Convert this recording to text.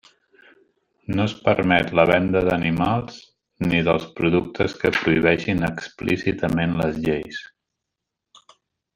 No es permet la venda d'animals, ni dels productes que prohibeixin explícitament les lleis.